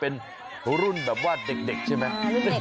เป็นรุ่นแบบว่าเด็กใช่ไหม